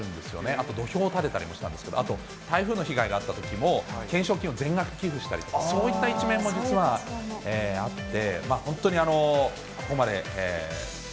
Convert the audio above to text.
あと土俵を建てたりもしたんですけど、あと台風の被害があったときも懸賞金を全額寄付したり、そういった一面も実はあって。